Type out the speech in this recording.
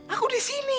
aku di sini